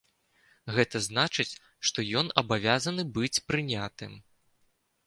Гэта значыць, што ён абавязаны быць прынятым.